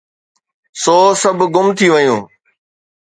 سو سڀ گم ٿي ويو.